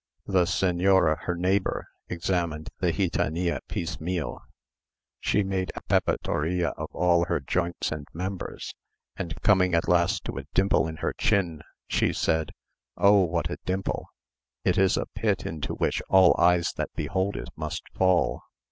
" The señora, her neighbour, examined the gitanilla piecemeal. She made a pepetoria of all her joints and members, and coming at last to a dimple in her chin, she said, "Oh, what a dimple! it is a pit into which all eyes that behold it must fall."